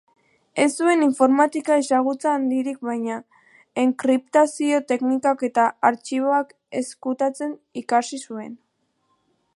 Ez zuen informatika ezagutza handirik baina enkriptazio teknikak eta artxiboak ezkutatzen ikasi zuen.